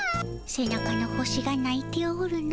背中の星がないておるの。